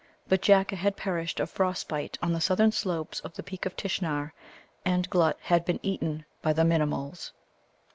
But Jacca had perished of frost bite on the southern slopes of the Peak of Tishnar, and Glutt had been eaten by the Minimuls.